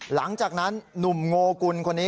หลังจากนั้นหนุ่มโงกุลคนนี้